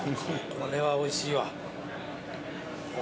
これはおいしいわ。